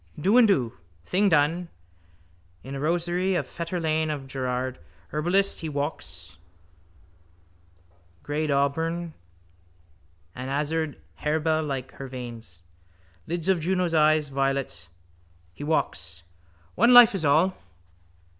Do and do. Thing done. In a rosery of Fetter lane of Gerard, herbalist, he walks, greyedauburn. An azured harebell like her veins. Lids of Juno's eyes, violets. He walks. One life is all.